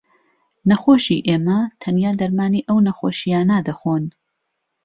نەخۆشی ئێمە تەنیا دەرمانی ئەو نەخۆشییانە دەخۆن